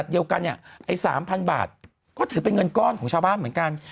เดียวกันเนี่ยไอ้๓๐๐บาทก็ถือเป็นเงินก้อนของชาวบ้านเหมือนกัน